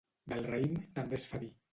Del raïm, també es fa vi.